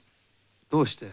どうして？